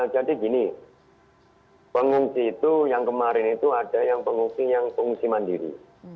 jadi gini pengungsi itu yang kemarin itu ada yang pengungsi yang pengungsi mandiri